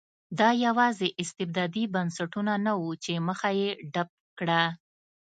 دا یوازې استبدادي بنسټونه نه وو چې مخه یې ډپ کړه.